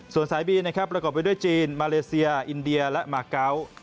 ส่วนสายบีนะครับประกอบไปด้วยจีนมาเลเซียอินเดียและมาเกาะ